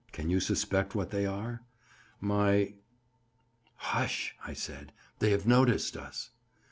Can you suspect what they are? My —." "Hush!" I said, "they have noticed us."